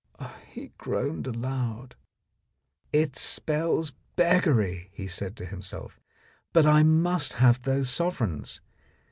He groaned aloud. "It spells beggary," he said to himself, "but I must have those sovereigns.